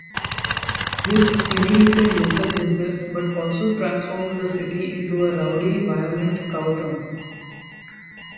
This stimulated local business but also transformed the city into a rowdy, violent cowtown.